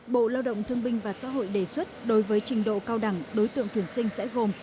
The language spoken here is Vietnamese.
bộ lao động thương binh và xã hội đề xuất đối với trình độ cao đẳng đối tượng tuyển sinh sẽ gồm